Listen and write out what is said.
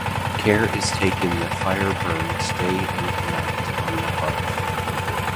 Care is taken that fire burns day and night on the hearth.